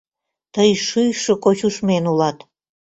Тый шӱйшӧ кочушмен улат!